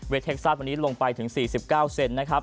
เท็กซัสวันนี้ลงไปถึง๔๙เซนนะครับ